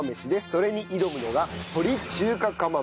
それに挑むのが鳥中華釜飯。